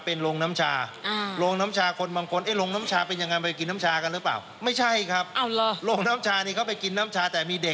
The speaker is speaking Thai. เสร็จเราก็พัฒนาออกมาเป็นน้ำชา